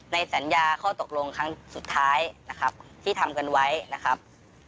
ในสัญญาข้อตกลงครั้งสุดท้ายนะครับที่ทำกันไว้นะครับ